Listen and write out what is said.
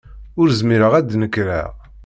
Ur zmireɣ ad d-nekreɣ.